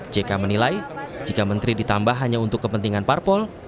jk menilai jika menteri ditambah hanya untuk kepentingan parpol